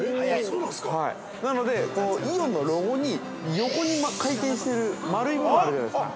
なので、イオンのロゴに横に回転している丸い部分があるじゃないですか。